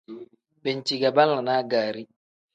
Banci ge banlanaa gaari.